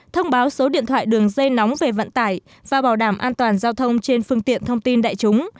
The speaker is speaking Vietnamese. thông báo số điện thoại đường dây nóng về vận tải và bảo đảm an toàn giao thông trên phương tiện thông tin đại chúng